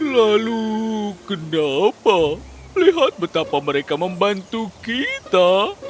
lalu kenapa lihat betapa mereka membantu kita